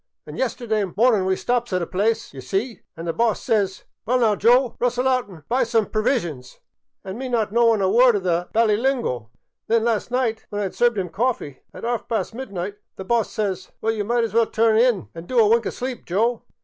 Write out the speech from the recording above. An' yesterday mornin' we stops at a place, d' ye see, an' the boss says, * Well, now, Joe, rustle out an' buy some per visions '— an' me not knowin' a word o' the bally lingo! An' then las' night when I 'd served 'em coffee at 'arf past midnight, the boss says, ' Well, ye might as well turn in an' do a wink o' sleep, Joe.'